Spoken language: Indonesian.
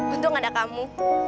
untung ada kamu